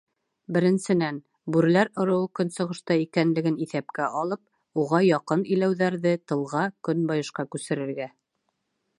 БЕРЕНСЕНӘН, БҮРЕЛӘР ЫРЫУЫ КӨНСЫҒЫШТА ИКӘНЛЕГЕН ИҪӘПКӘ АЛЫП, УҒА ЯҠЫН ИЛӘҮҘӘРҘЕ ТЫЛҒА, КӨНБАЙЫШҠА КҮСЕРЕРГӘ.